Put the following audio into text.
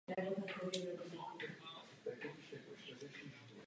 V "Easy Street" konečně nastává klid a mír...